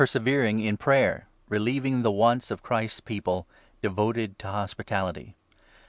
369 severing in prayer ; relieving the wants of Christ's People ; 13 devoted to hospitality.